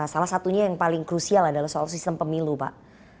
salah satunya yang paling krusial adalah soal sistem pemilu pak